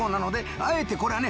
あえてこれはね